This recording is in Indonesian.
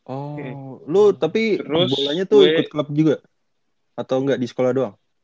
oh lu tapi bolanya tuh ikut klub juga atau nggak di sekolah doang